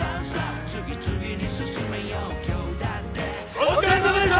お疲れさまでした！